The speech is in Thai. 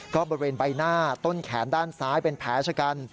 ก็บริเวณใบหน้าต้นแขนด้านซ้ายเป็นแผลชะกัน